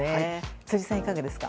辻さん、いかがですか？